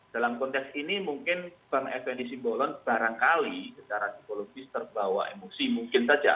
dalam konteks ini mungkin bang fnd simbolon barangkali secara psikologis terbawa emosi mungkin saja